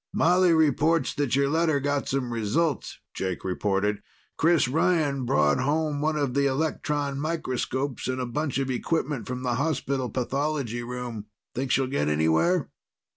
"Molly reports that your letter got some results," Jake reported. "Chris Ryan brought home one of the electron microscopes and a bunch of equipment from the hospital pathology room. Think she'll get anywhere?"